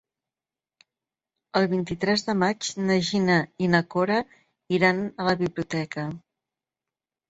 El vint-i-tres de maig na Gina i na Cora iran a la biblioteca.